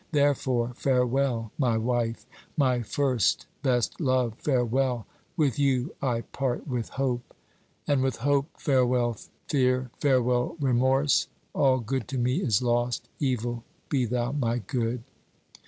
Therefore farewell, my wife my first, best love, farewell! with you I part with hope, 'And with hope, farewell fear, Farewell remorse: all good to me is lost: Evil, be thou my good.'